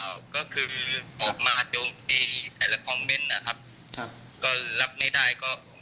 อาจจะเป็นเพราะหายใจไม่ไหวแล้วน่าจะเป็นการเข้าใจผิดมากกว่า